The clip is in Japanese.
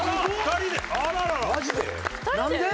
２人で？